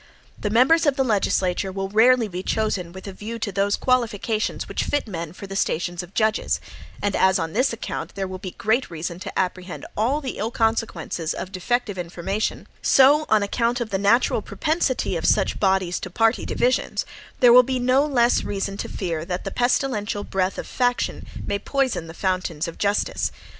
The members of the legislature will rarely be chosen with a view to those qualifications which fit men for the stations of judges; and as, on this account, there will be great reason to apprehend all the ill consequences of defective information, so, on account of the natural propensity of such bodies to party divisions, there will be no less reason to fear that the pestilential breath of faction may poison the fountains of justice.